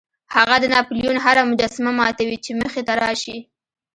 هغه د ناپلیون هره مجسمه ماتوي چې مخې ته راشي.